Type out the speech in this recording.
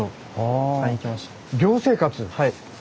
はい。